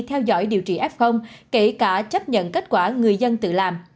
theo dõi điều trị f kể cả chấp nhận kết quả người dân tự làm